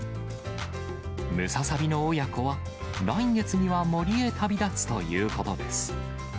ムササビの親子は、来月には森へ旅立つということです。